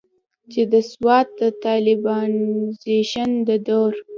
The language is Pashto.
چې د سوات د طالبانائزيشن د دور